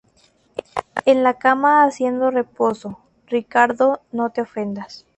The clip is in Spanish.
en la cama haciendo reposo. Ricardo, no te ofendas